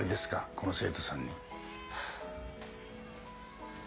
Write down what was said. この生徒さんに。